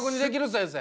先生。